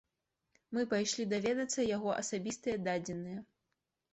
Мы пайшлі даведацца яго асабістыя дадзеныя.